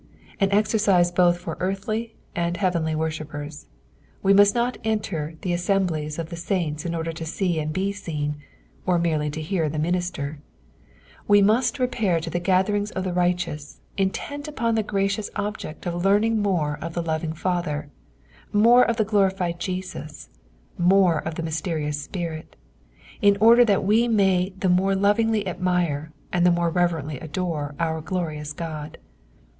An eiercise both for earthly and heavenly worshippers. We must not enter the assemblies of the saints in order to see and be seen, or merely to hear the minister ; we must repair to the gatherings of the righteous, intent upon the gracious object of learning more of the loving Father, more of the glorified Jesus, more of the mysterious Bpirit, in order that we may the more lovingly admire, and the more reverently adore our glorious Ood.